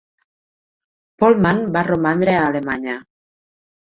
Pohlmann va romandre a Alemanya.